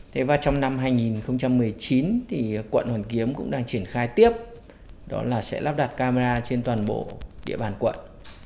trong năm hai nghìn một mươi chín quận hoàn kiếm cũng đang triển khai tiếp đó là sẽ lắp đặt camera trên toàn bộ địa bàn quận